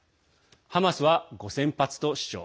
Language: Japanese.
ハマスは５０００発と主張。